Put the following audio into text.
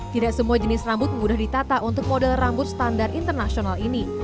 tidak semua jenis rambut mudah ditata untuk model rambut standar internasional ini